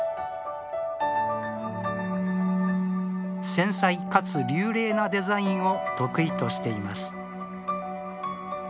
繊細かつ流麗なデザインを得意としています